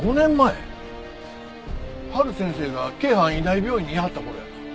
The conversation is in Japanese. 陽先生が京阪医大病院にいはった頃や。